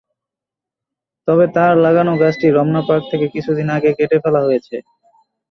তবে তাঁর লাগানো গাছটি রমনা পার্ক থেকে কিছুদিন আগে কেটে ফেলা হয়েছে।